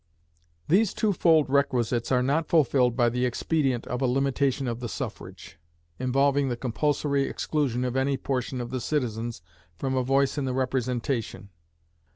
These twofold requisites are not fulfilled by the expedient of a limitation of the suffrage, involving the compulsory exclusion of any portion of the citizens from a voice in the representation.